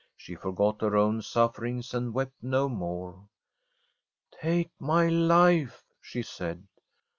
She forgot her own suffer ings, and wept no more. * Take my life/ she said.